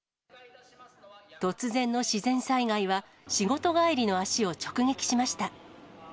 突然の自然災害は、仕事帰りの足を直撃しました。